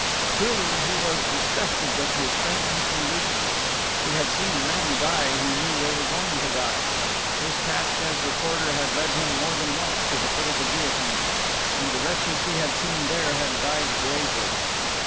Truly, he was disgusted with his faintness and weakness. He had seen men die who knew they were going to die. His task as reporter had led him more than once to the foot of the guillotine. And the wretches he had seen there had died bravely.